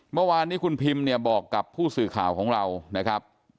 เมื่อวานนี้คุณพิมเนี่ยบอกกับผู้สื่อข่าวของเรานะครับ